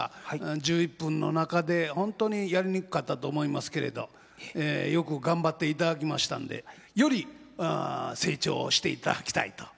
１１分の中で本当にやりにくかったと思いますけれどええよく頑張っていただきましたんでより成長していただきたいと。